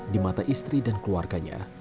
di mata istri dan keluarganya